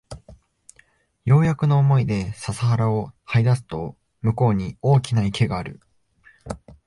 ようやくの思いで笹原を這い出すと向こうに大きな池がある